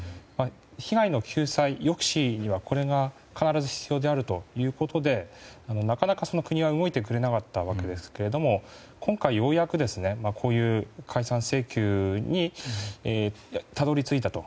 被害の救済、抑止にはこれが必ず必要であるということでなかなか国が動いてくれなかったわけですけれども今回、ようやくこういう解散請求にたどり着いたと。